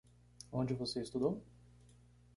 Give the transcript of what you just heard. Onde você estudou?